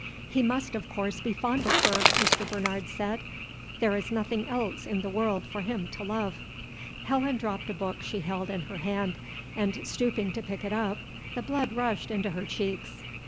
"He must of course be fond of her," Mr. Bernard said; "there is nothing else in the world for him to love." Helen dropped a book she held in her hand, and, stooping to pick it up, the blood rushed into her cheeks.